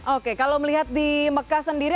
oke kalau melihat di mekah sendiri